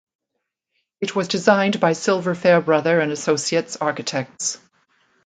It was designed by Silver Fairbrother and Associates architects.